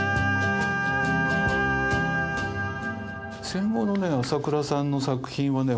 戦後のね朝倉さんの作品はね